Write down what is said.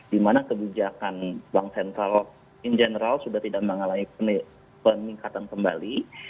di mana kebijakan bank sentral in general sudah tidak mengalami peningkatan kembali